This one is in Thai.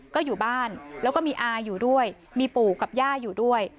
ก็อยู่บ้านแล้วก็มีอาอยู่ด้วยมีปู่กับย่าอยู่ด้วย